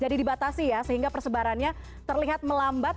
jadi dibatasi ya sehingga persebarannya terlihat melambat